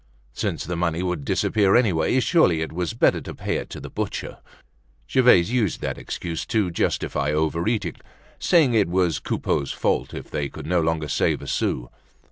Since the money would disappear anyway, surely it was better to pay it to the butcher. Gervaise used that excuse to justify overeating, saying it was Coupeau's fault if they could no longer save a sou.